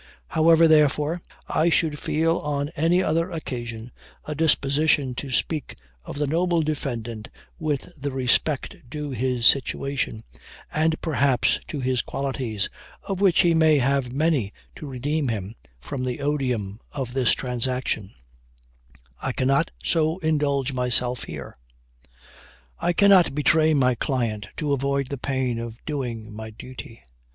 However, therefore, I should feel on any other occasion, a disposition to speak of the noble defendant with the respect due to his station, and perhaps to his qualities, of which he may have many to redeem him from the odium of this transaction, I cannot so indulge myself here. I cannot betray my client, to avoid the pain of doing my duty.